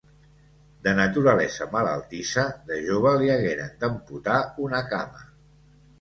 De naturalesa malaltissa, de jove li hagueren d'amputar una cama.